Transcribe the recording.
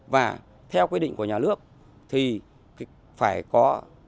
và theo quy định của nhà nước thì phải có